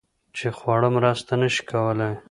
چې خواړه مرسته نشي کولی